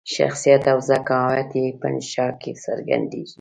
شخصیت او ذکاوت یې په انشأ کې څرګندیږي.